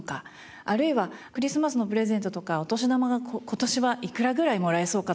あるいはクリスマスのプレゼントとかお年玉が今年はいくらぐらいもらえそうかとか。